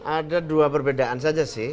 ada dua perbedaan saja sih